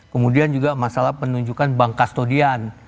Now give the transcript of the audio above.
kemudian juga masalah penunjukan bank kastodian